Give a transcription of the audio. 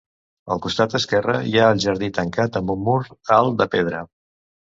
Al costat esquerre hi ha el jardí tancat amb un mur alt de pedra.